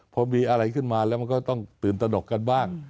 พอมีอะไรขึ้นมาแล้วมันก็ต้องตื่นตนกกันบ้าง